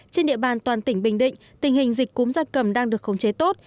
trên địa bàn toàn tỉnh bình định tình hình dịch cúm gia cầm đang được khống chế tốt